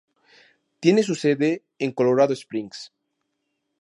Tiene su sede en Colorado Springs.